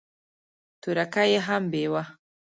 تورکى يې هم بېوه.